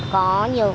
có nhiều khó khăn